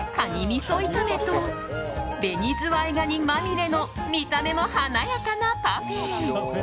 みそ炒めとベニズワイガニまみれの見た目も華やかなパフェ。